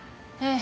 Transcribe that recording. え？